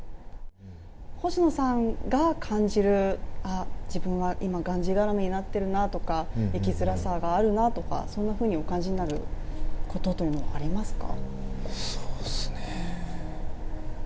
星野さんが感じるあっ、自分は今がんじがらめになってるなっていうのとか、生きづらさがあるなとか、そんなふうにお感じになることというのはありますか？